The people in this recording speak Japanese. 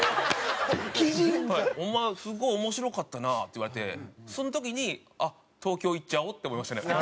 「お前すごい面白かったな」って言われてその時にあっ東京行っちゃおうって思いましたね。